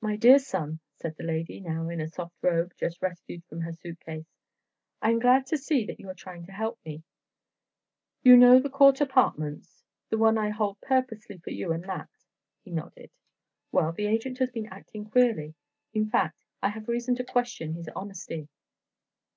"My dear son," said the lady, now in a soft robe, just rescued from her suit case, "I am glad to see that you are trying to help me. You know the Court Apartments, the one I hold purposely for you and Nat?" He nodded. "Well, the agent has been acting queerly. In fact, I have reason to question his honesty.